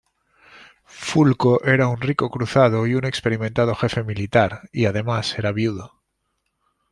Fulco era un rico cruzado y un experimentado jefe militar, y además era viudo.